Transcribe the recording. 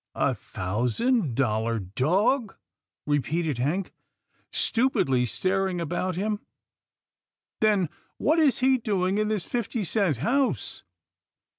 " A thousand dollar dog," repeated Hank, stupidly staring about him, " then what is he doing in this fifty cent house?